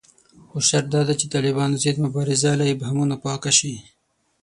خو شرط داده چې د طالبانو ضد مبارزه له ابهامونو پاکه شي